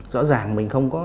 rõ ràng mình không có